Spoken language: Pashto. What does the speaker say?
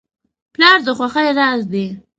پلار د خوښۍ راز دی.